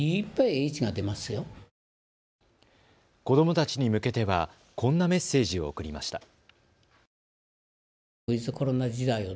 子どもたちに向けてはこんなメッセージを送りました。